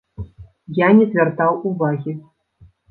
Я не звяртаў увагі.